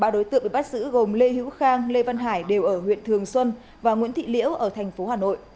ba đối tượng bị bắt giữ gồm lê hữu khang lê văn hải đều ở huyện thường xuân và nguyễn thị liễu ở thành phố hà nội